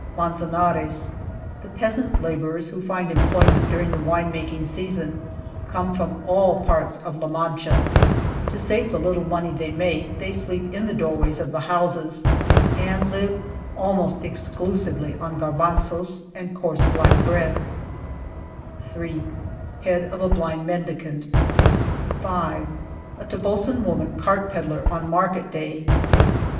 Manzanares, The peasant laborers who find employment during the wine making season come from all parts of La Mancha, To save the little money they make, they sleep in the doorways of the houses, and live almost exclusively on ^^garbanzos" and coarse black bread, 2 Head of a blind mendicant, ...•• S A Tobosan woman cart pedler on market day